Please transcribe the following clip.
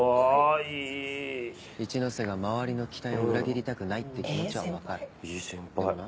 一ノ瀬が周りの期待を裏切りたくないって気持ちはわかる。